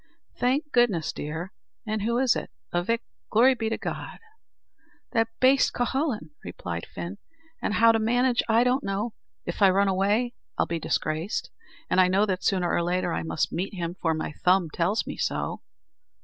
"Thank goodness, dear! an' who is it, avick? Glory be to God!" "That baste, Cuhullin," replied Fin; "and how to manage I don't know. If I run away, I am disgraced; and I know that sooner or later I must meet him, for my thumb tells me so."